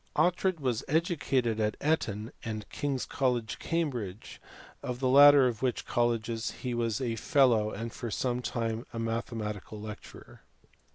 Oughtred was educated at Eton and King s College, Cambridge, of the latter of which colleges he was a fellow and for some time mathematical lecturer.